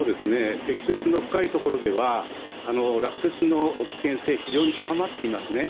積雪の深い所では落雪の危険性、非常に高まっていますね。